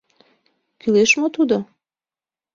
Кӱлеш мо тудо?..